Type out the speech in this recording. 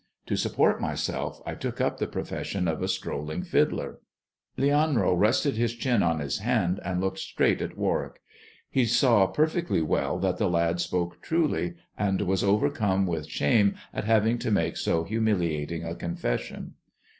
To support myself I took up the profession of a strolling fiddler." Lelanro rested his chin on his hand and looked straight at Warwick. He saw perfectly well that the lad spoke truly, and was overcome with shame at having to make so humiliating a confession.